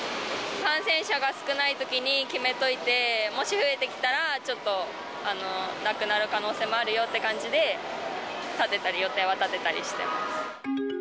感染者が少ないときに決めといて、もし増えてきたら、ちょっと、なくなる可能性もあるよって感じで、立てたり、予定は立てたりしてます。